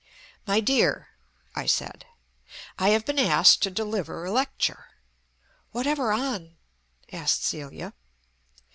"My dear," I said, "I have been asked to deliver a lecture." "Whatever on?" asked Celia.